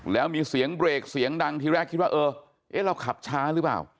แล้วมีเสียงเบรกเสียงดังทีแรกคิดว่าเออเอ๊ะเราขับช้าหรือเปล่า